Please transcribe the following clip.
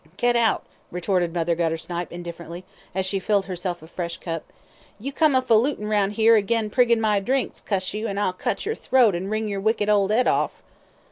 "Get out," retorted Mother Guttersnipe, indifferently, as she filled herself a fresh cup. "You come a falutin' round 'ere agin priggin' my drinks, cuss you, an' I'll cut yer throat an' wring yer wicked old 'ead orf."